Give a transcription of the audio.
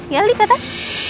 ya li ke atas